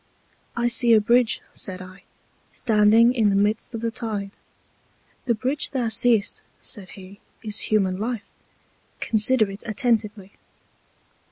I see a Bridge, said I, standing in the Midst of the Tide. The Bridge thou seest, said he, is human Life, consider it attentively.